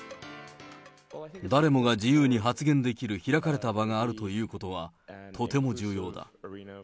誰もが自由に発言できる開かれた場があるということは、とても重要だ。